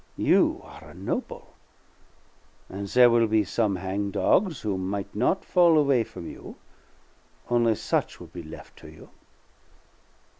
You are a noble, and there will be some hang dogs who might not fall away from you. Only such would be lef' to you.